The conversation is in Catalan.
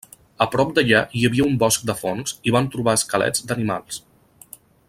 A prop d'allà hi havia un bosc de fongs i van trobar esquelets d'animals.